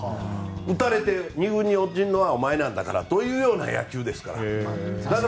打たれて２軍に落ちるのはお前なんだからというような野球なんですから。